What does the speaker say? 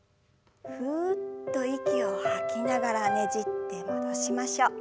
ふっと息を吐きながらねじって戻しましょう。